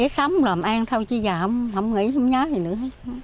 sống làm an thôi chứ giờ không nghĩ không nhớ gì nữa